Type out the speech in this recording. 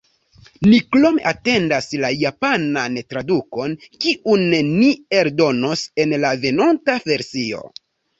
Ni krome atendas la japanan tradukon, kiun ni eldonos en la venonta versio.